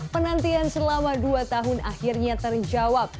penantian selama dua tahun akhirnya terjawab